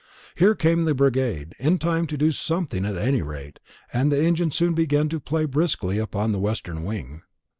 Here came the brigade, in time to do something at any rate, and the engine soon began to play briskly upon the western wing.